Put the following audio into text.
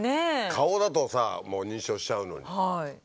顔だとさもう認証しちゃうのに。